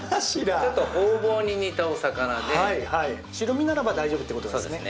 ちょっとホウボウに似たお魚ではいはい白身ならば大丈夫ってことですね